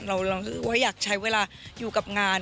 เราคือว่าอยากใช้เวลาอยู่กับงาน